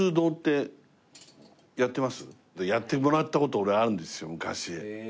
やってもらった事俺あるんですよ昔。